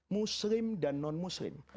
muslim dan non muslim